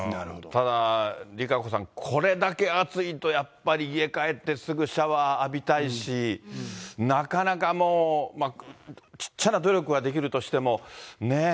ただ、ＲＩＫＡＣＯさん、これだけ暑いと、やっぱり家帰って、すぐシャワー浴びたいし、なかなかもう、ちっちゃな努力はできるとしても、ねぇ。